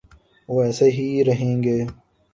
وہ ایسے ہی رہیں گے۔